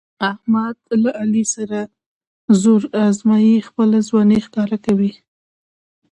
احمد له علي سره زور ازمیي، خپله ځواني ښکاره کوي.